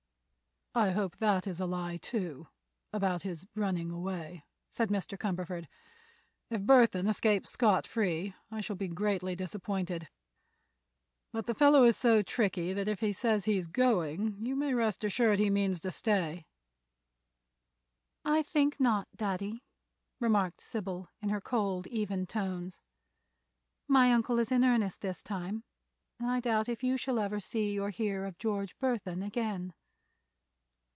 "I hope that is a lie, too—about his running away," said Mr. Cumberford. "If Burthon escapes scot free I shall be greatly disappointed. But the fellow is so tricky that if he says he is going you may rest assured he means to stay." "I think not, Daddy," remarked Sybil, in her cold, even tones. "My uncle is in earnest this time and I doubt if you ever see or hear of George Burthon again."